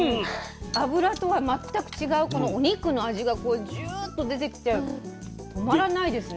脂とは全く違うこのお肉の味がこうジューッと出てきて止まらないですね。